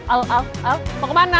al al al mau kemana